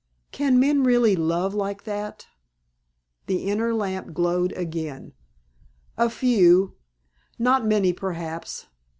"Can men really love like that?" The inner lamp glowed again. "A few. Not many, perhaps.